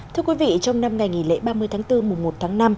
thưa quý vị trong năm ngày nghỉ lễ ba mươi tháng bốn mùa một tháng năm